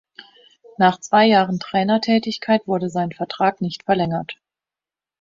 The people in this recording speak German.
Nach zwei Jahren Trainertätigkeit wurde sein Vertrag nicht verlängert.